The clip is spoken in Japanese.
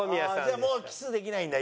じゃあもうキスできないんだ？